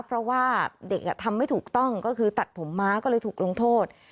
เพราะว่าเด็กทำไม่ถูกต้องก็คือตัดผมม้าก็เลยถูกลงโทษ